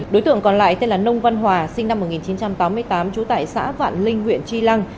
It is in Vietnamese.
đối tượng còn lại tên là nông văn hòa sinh năm một nghìn chín trăm tám mươi tám trú tại xã vạn linh huyện tri lăng